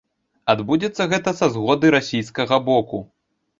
Адбудзецца гэта са згоды расійскага боку.